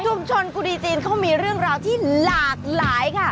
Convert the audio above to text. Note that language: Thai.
กุดีจีนเขามีเรื่องราวที่หลากหลายค่ะ